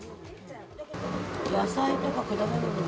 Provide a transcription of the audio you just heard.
野菜とか果物とか。